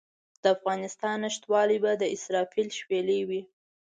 د افغانستان نشتوالی به د اسرافیل شپېلۍ وي.